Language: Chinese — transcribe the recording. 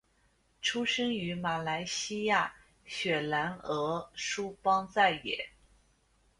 出生于马来西亚雪兰莪梳邦再也。